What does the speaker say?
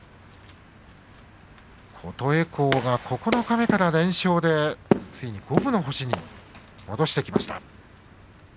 琴恵光が九日目から連勝でついに五分の星に戻してきました。